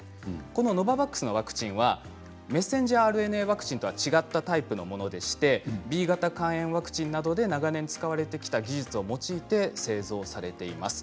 このノババックスのワクチンはメッセンジャーＲＮＡとは違ったワクチンでＢ型肝炎ワクチンなどで長年使われてきた技術を用いて製造されています。